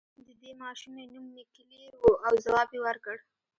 د دې ماشومې نوم ميکلي و او ځواب يې ورکړ.